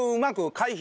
回避？